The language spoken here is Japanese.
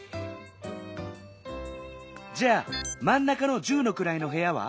じゃあまん中の「十のくらい」のへやは？